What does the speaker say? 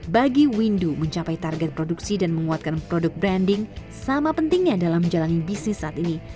bagi windu mencapai target produksi dan menguatkan produk branding sama pentingnya dalam menjalani bisnis saat ini